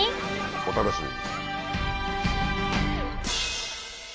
お楽しみに。